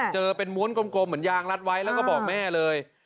เจอเป็นม้วนกลมเหมือนยางรัดไว้แล้วก็บอกแม่เลย